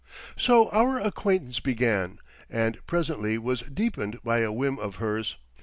So our acquaintance began, and presently was deepened by a whim of hers.